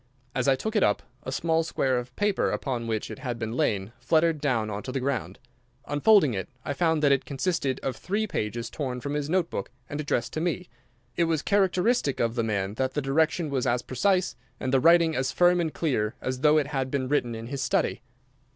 As I took it up a small square of paper upon which it had lain fluttered down on to the ground. Unfolding it, I found that it consisted of three pages torn from his note book and addressed to me. It was characteristic of the man that the direction was a precise, and the writing as firm and clear, as though it had been written in his study.